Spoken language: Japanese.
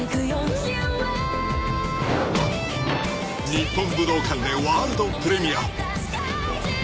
［日本武道館でワールドプレミア］